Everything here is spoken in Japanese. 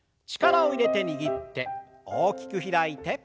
力を入れて握って大きく開いて。